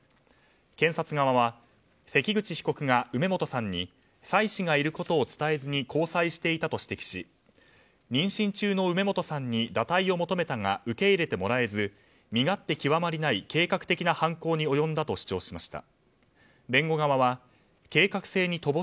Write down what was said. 検察側は関口被告が梅本さんに妻子がいることを伝えずに交際していたと指摘し妊娠中の梅本さんに堕胎を求めたが受け入れてもらえず身勝手極まりない計画的な犯行に及んだと主張しました。